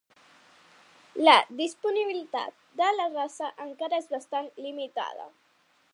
La disponibilitat de la raça encara és bastant limitada.